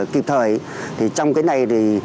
kịp thời thì trong cái này thì